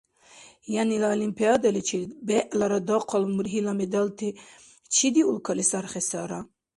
Янила Олимпиадаличир бегӀлара дахъал мургьила медальти чидил улкали сархесара?